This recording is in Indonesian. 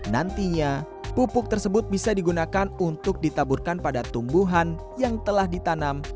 nantinya pupuk tersebut bisa digunakan untuk ditaburkan pada tumbuhan yang telah ditanam